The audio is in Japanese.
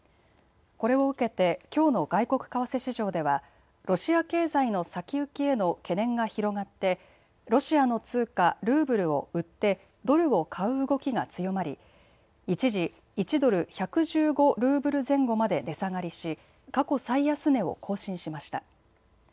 これを受けてきょうの外国為替市場ではロシア経済の先行きへの懸念が広がってロシアの通貨、ルーブルを売ってドルを買う動きが強まり一時、１ドル１１５ルーブル前後まで値下がりし過去最安値を更新しました。